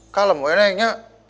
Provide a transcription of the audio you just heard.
kalem ya neng